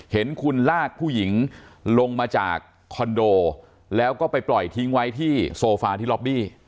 เห็นคุณลากผู้หญิงลงมาจากคอนโดแล้วก็ไปปล่อยทิ้งไว้ที่โซฟาที่ล็อบบี้